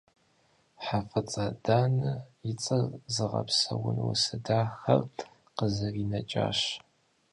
ХьэфӀыцӀэ Данэ и цӀэр зыгъэпсэун усэ дахэхэр къызэринэкӏащ.